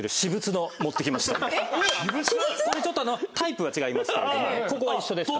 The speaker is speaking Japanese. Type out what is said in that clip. これちょっとタイプは違いますけれどもここは一緒ですから。